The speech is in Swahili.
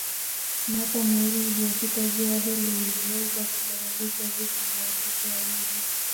Miaka miwili iliyopita ziwa hilo liliweza kusababisha vifo vya watoto wawili